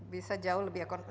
bisa jauh lebih akur